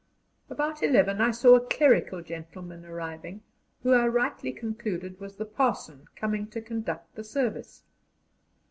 About eleven I saw a clerical gentleman arriving, who I rightly concluded was the parson coming to conduct the service.